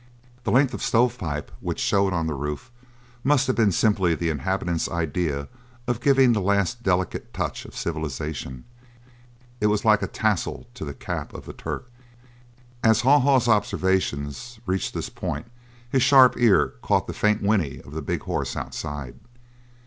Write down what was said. The length of stove pipe which showed on the roof must have been simply the inhabitant's idea of giving the last delicate touch of civilisation; it was like a tassel to the cap of the Turk. As Haw Haw's observations reached this point his sharp ear caught the faint whinny of the big horse outside.